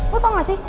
lo tau gak sih